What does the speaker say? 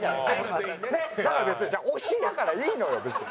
だから別に推しだからいいのよ別に。